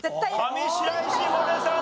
上白石萌音さん